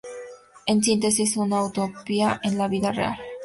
En síntesis una utopía en la vida real.